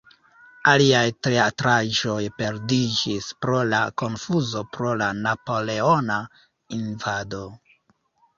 Aliaj teatraĵoj perdiĝis pro la konfuzo pro la napoleona invado.